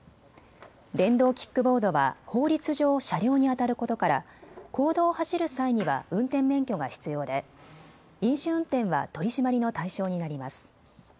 電動キックボードは法律上、車両にあたることから公道を走る際には運転免許が必要で飲酒運転は取締りの対象になります。